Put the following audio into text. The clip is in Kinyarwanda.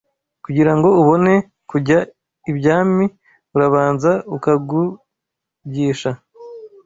Kugirango ubone kujyaibyami urabanza ukaKugisha